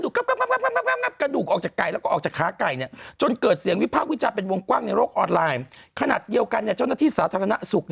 กระดูกออกจากไก่แล้วออกจากค้ากายจนเกิดเสียงวิภาควิจัยเป็นวงกว้างชุดตรวจสอบ